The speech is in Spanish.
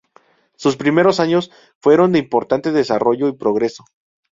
Sus primeros años fueron de importante desarrollo y progreso.